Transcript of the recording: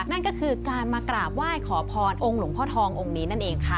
นั่นก็คือการมากราบไหว้ขอพรองค์หลวงพ่อทององค์นี้นั่นเองค่ะ